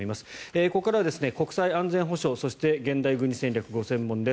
ここからは国際安全保障そして現代軍事戦略がご専門です。